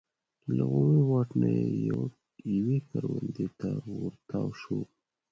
له عمومي واټ نه یوې کروندې ته ور تاو شو.